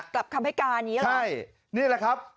กลับคำให้การอย่างนี้หรอใช่นี่แหละครับ